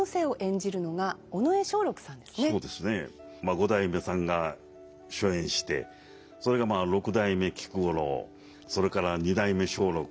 五代目さんが初演してそれが六代目菊五郎それから二代目松緑